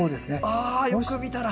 あよく見たら。